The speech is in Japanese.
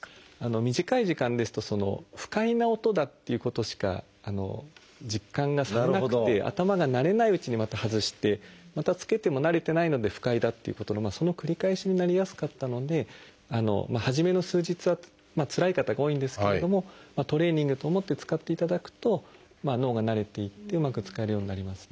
短い時間ですと不快な音だっていうことしか実感がされなくて頭が慣れないうちにまた外してまた着けても慣れてないので不快だっていうことのその繰り返しになりやすかったので初めの数日はつらい方が多いんですけれどもトレーニングと思って使っていただくと脳が慣れていってうまく使えるようになりますね。